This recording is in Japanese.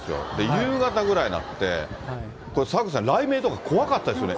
夕方ぐらいになって、これ、澤口さん、怖かったですよね。